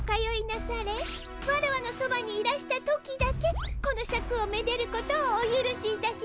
なされワラワのそばにいらした時だけこのシャクをめでることをおゆるしいたします。